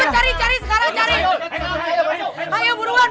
ayo buruan buruan